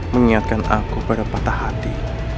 mengingatkan aku pada patah hati